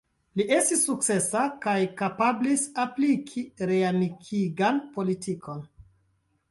Li estis sukcesa kaj kapablis apliki reamikigan politikon.